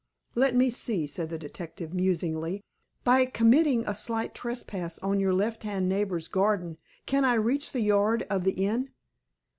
"Let me see," said the detective musingly, "by committing a slight trespass on your left hand neighbor's garden, can I reach the yard of the inn?"